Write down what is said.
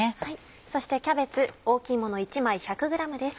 そしてキャベツ大きいもの１枚１００ｇです。